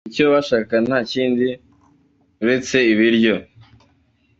Icyo bashakaga nta kindi uretse ibiryo.